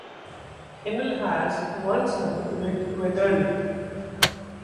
Heinle has one son with Weatherly.